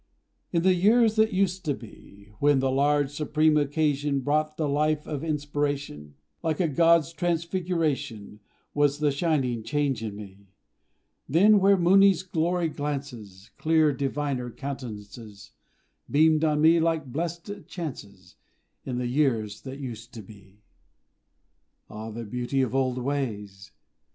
In the years that used to be, When the large, supreme occasion Brought the life of inspiration, Like a god's transfiguration Was the shining change in me. Then, where Mooni's glory glances, Clear, diviner countenances Beamed on me like blessed chances, In the years that used to be. Ah, the beauty of old ways!